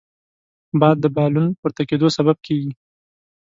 باد د بالون پورته کېدو سبب کېږي